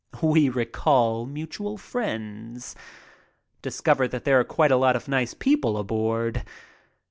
We recall mutual friends. Discover that there are quite a lot of nice people aboard.